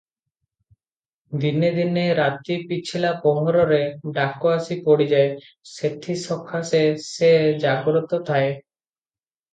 ଦିନେ ଦିନେ ରାତି ପିଛିଲା ପହରରେ ଡାକ ଆସି ପଡ଼ିଯାଏ, ସେଥିସକାଶେ ସେ ଜାଗ୍ରତ ତାଏ ।